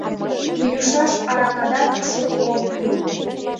Йӱшаш аракадат шуко ок кӱл